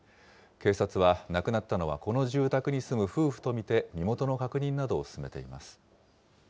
警察は、亡くなったのはこの住宅に住む夫婦と見て、身元の確認などを進めています。